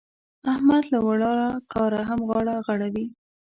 احمد له واړه کاره هم غاړه غړوي.